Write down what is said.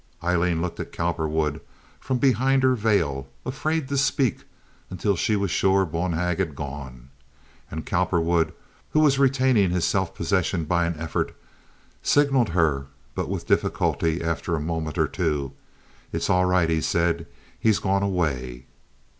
Aileen looked at Cowperwood from behind her veil, afraid to speak until she was sure Bonhag had gone. And Cowperwood, who was retaining his self possession by an effort, signaled her but with difficulty after a moment or two. "It's all right," he said. "He's gone away."